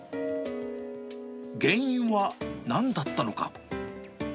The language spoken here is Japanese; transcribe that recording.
原因はなんだったのか。